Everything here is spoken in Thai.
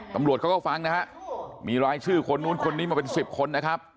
ตำรวจเขาก็ฟังนะฮะมีรายชื่อคนนู้นคนนี้มาเป็น๑๐คนนะครับ